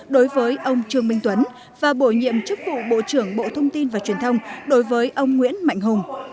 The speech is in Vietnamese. đối với ông trương minh tuấn và bổ nhiệm chức vụ bộ trưởng bộ thông tin và truyền thông đối với ông nguyễn mạnh hùng